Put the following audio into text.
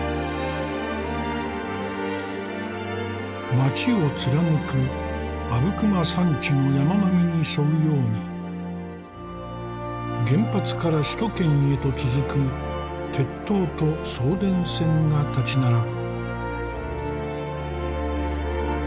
町を貫く阿武隈山地の山並みに沿うように原発から首都圏へと続く鉄塔と送電線が立ち並ぶ。